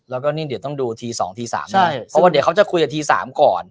แล้วก็นี่เดี๋ยวต้องดูที๒ที๓ด้วยเพราะว่าเดี๋ยวเขาจะคุยกับทีสามก่อน